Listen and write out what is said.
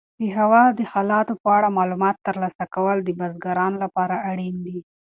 د هوا د حالاتو په اړه معلومات ترلاسه کول د بزګرانو لپاره اړین دي.